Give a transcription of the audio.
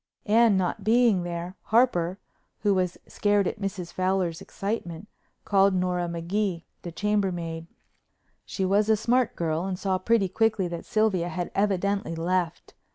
Anne not being there, Harper, who was scared at Mrs. Fowler's excitement, called Nora Magee, the chambermaid. She was a smart girl and saw pretty quickly that Sylvia had evidently left.